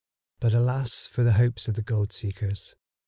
But alas for the hopes of the gold seekers.